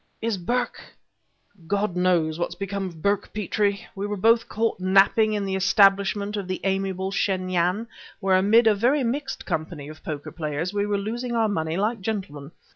"Is Burke " "God knows what has become of Burke, Petrie! We were both caught napping in the establishment of the amiable Shen Yan, where, amid a very mixed company of poker players, we were losing our money like gentlemen."